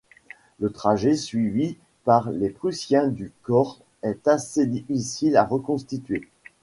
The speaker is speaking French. Le trajet suivi par les Prussiens du corps est assez difficile à reconstituer.